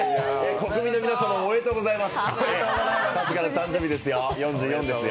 国民の皆様もおめでとうございます。